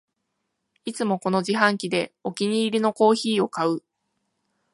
いつもこの自販機でお気に入りのコーヒーを買う